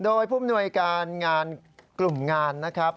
โดยผู้มนวยการงานกลุ่มงานนะครับ